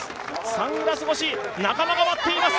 サングラス越し、仲間が待っています。